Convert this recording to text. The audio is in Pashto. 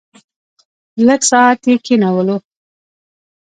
لږ ساعت یې کېنولو.